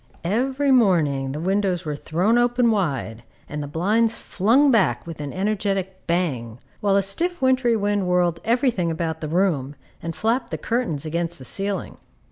Every morning the windows were thrown wide open, and the blinds flung back with an energetic bang, while a stiff wintry wind whirled every thing about the room, and flapped the curtains against the ceiling.